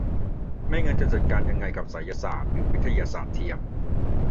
ไม่งั้นจะจัดการยังไงกับไสยศาสตร์หรือวิทยาศาสตร์เทียม